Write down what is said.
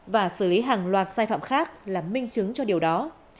và xử lý hàng loạt sai phạm khác là minh chứng cho điều đó